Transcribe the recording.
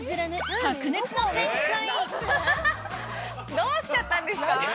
どうしちゃったんですか？